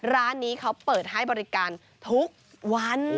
ร้านนี้เขาเปิดให้บริการทุกวัน